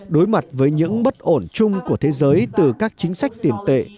đối mặt với những bất ổn chung của thế giới từ các chính sách tiền tệ